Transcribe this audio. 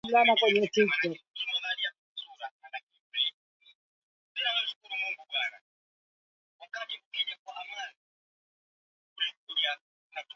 Lengo ni kuweza kufikia azma ya uchumi wa buluu ya kuvua bahari kuu